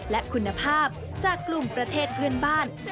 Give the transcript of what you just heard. และคุณภาพจากกลุ่มประเทศเพื่อนบ้าน